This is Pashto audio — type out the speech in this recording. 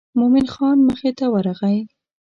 مومن خان مخې ته ورغی.